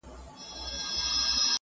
لوستې نجونې ستونزې حلوي.